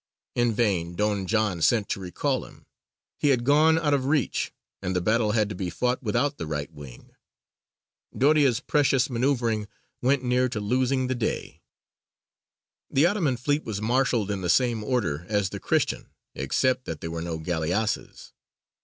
In vain Don John sent to recall him; he had gone out of reach, and the battle had to be fought without the right wing. Doria's precious manoeuvring went near to losing the day. The Ottoman fleet was marshalled in the same order as the Christian, except that there were no galleasses.